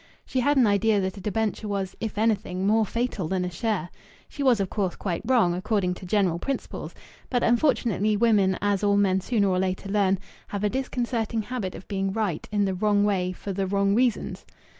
She had an idea that a debenture was, if anything, more fatal than a share. She was, of course, quite wrong, according to general principles; but, unfortunately, women, as all men sooner or later learn, have a disconcerting habit of being right in the wrong way for the wrong reasons.